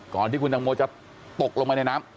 ก่อนที่คุณตังโมจะตกลงไปในน้ำ